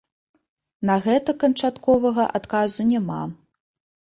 На гэта канчатковага адказу няма.